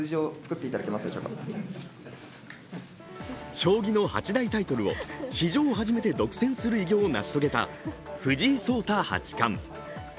将棋の８大タイトルを史上初めて独占する偉業を成し遂げた藤井聡太八冠。